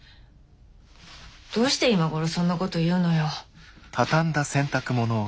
どうして今頃そんなこと言うのよ？